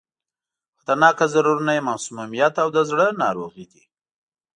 خطرناک ضررونه یې مسمومیت او د زړه ناروغي دي.